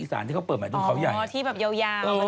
อีสานตอนนี้รถเริ่มติดมาใช่